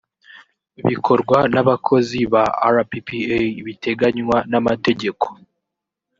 bikorwa n’abakozi ba rppa biteganywa n’amategeko